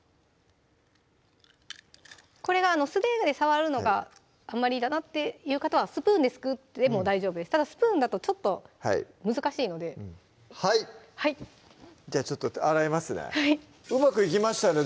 これが素手で触るのがあんまりだなっていう方はスプーンですくっても大丈夫ですただスプーンだとちょっと難しいのではいじゃあちょっと洗いますねうまくいきましたね